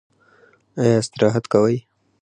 ایا استراحت کوئ؟